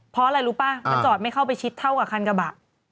เพราะอะไรรู้ป่ะมันจอดไม่เข้าไปชิดเท่ากับคันกระบะ